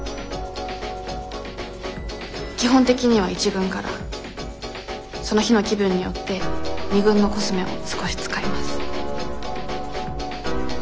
基本的には１軍からその日の気分によって２軍のコスメを少し使います。